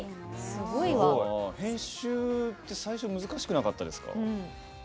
編集って最初難しくなかった？